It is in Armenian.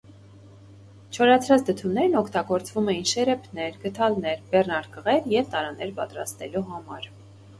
Չորացրած դդումներն օգտագործվում էին շերեփներ, գդալներ, բեռնարկղեր և տարաներ պատրաստելու համար։